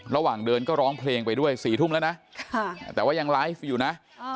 ระหว่างเดินก็ร้องเพลงไปด้วย๔ทุ่มแล้วนะแต่ว่ายังไลฟ์อยู่นะ